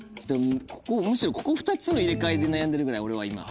むしろここ２つの入れ替えで悩んでるぐらい俺は今。